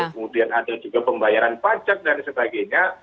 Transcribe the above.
kemudian ada juga pembayaran pajak dan sebagainya